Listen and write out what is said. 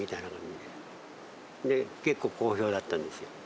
で、結構好評だったんですよ。